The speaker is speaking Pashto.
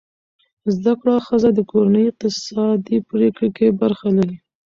زده کړه ښځه د کورنۍ اقتصادي پریکړې کې برخه لري.